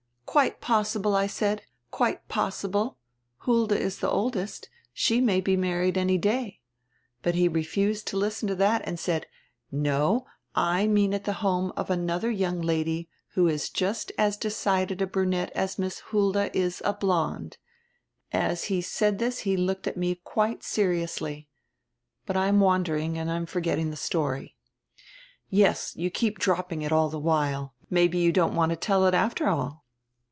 "Quite possible, I said, quite possible; Hulda is die oldest; she may be married any day. But he refused to listen to diat and said : 'No, I mean at die home of an odier young lady who is just as decided a brunette as Miss Hulda is a blonde.' As he said this he looked at me quite seriously — But I am wandering and am forgetting die story." "Yes, you keep dropping it all die while; may be you don't want to tell it, after all?"